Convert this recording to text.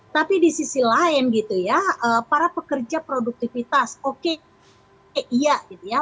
tapi di sisi lain gitu ya para pekerja produktivitas oke iya gitu ya